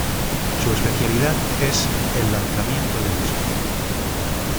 Su especialidad es el lanzamiento de disco.